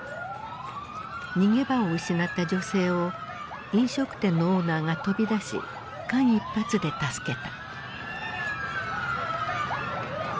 逃げ場を失った女性を飲食店のオーナーが飛び出し間一髪で助けた。